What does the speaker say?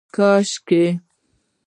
کاشکي